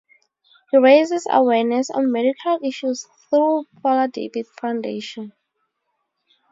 He raises awareness on medical issues through Fola David Foundation.